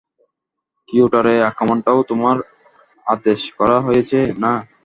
কিয়োটোর আক্রমনটাও তোমার আদেশে করা হয়েছে, না?